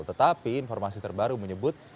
tetapi informasi terbaru menyebut